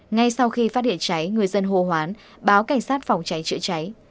ngay sau khi phát hiện cháy người dân hô hoán báo cảnh sát phòng cháy chữa cháy